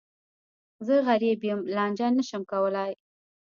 زه غریب یم، لانجه نه شم کولای.